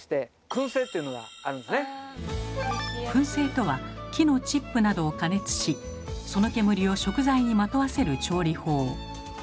くん製とは木のチップなどを加熱しその煙を食材にまとわせる調理法。